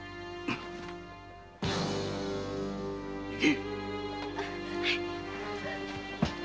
行け！